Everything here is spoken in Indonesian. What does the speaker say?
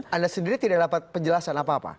anda sendiri tidak dapat penjelasan apa apa